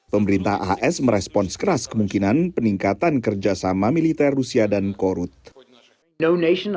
pemerintah as merespons keras kemungkinan peningkatan kerjasama militer rusia dan korut